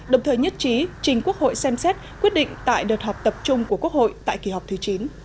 đồng thời nhất trí trình quốc hội xem xét quyết định tại đợt họp tập trung của quốc hội tại kỳ họp thứ chín